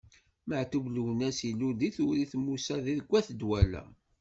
Meɛtub Lwennas ilul deg Tewrirt Musa deg At Dwala.